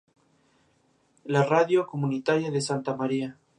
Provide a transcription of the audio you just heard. La radio comunitaria de Santa María.